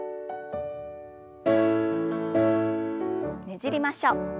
ねじりましょう。